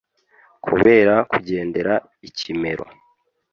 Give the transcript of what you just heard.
kubera kugendera ikimero